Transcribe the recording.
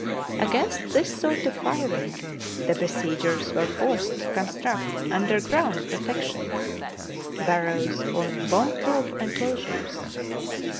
Against this sort of firing the besiegers were forced to con struct underground protections, burrows, or bomb proof enclosures.